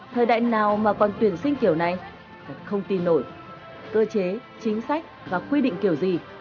thời đại nào mà còn tuyển sinh kiểu này không tin nổi cơ chế chính sách và quy định kiểu gì